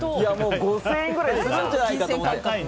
５０００円くらいするんじゃないかと思って。